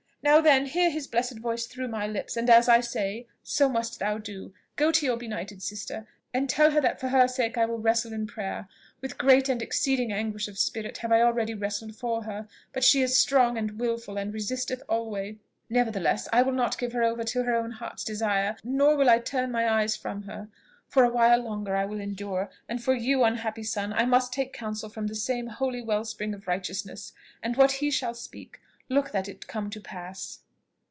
Now, then, hear his blessed voice through my lips; and as I say, so must thou do. Go to your benighted sister, and tell her that for her sake I will wrestle in prayer. With great and exceeding anguish of spirit have I already wrestled for her; but she is strong and wilful, and resisteth alway. Nevertheless, I will not give her over to her own heart's desire; nor will I turn mine eyes from her. For a while longer I will endure; and for you, unhappy son, I must take counsel from the same holy well spring of righteousness, and what he shall speak, look that it come to pass."